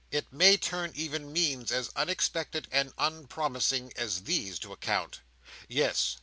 It may turn even means as unexpected and unpromising as these, to account. Yes.